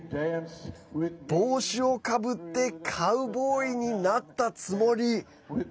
帽子をかぶってカウボーイになったつもり。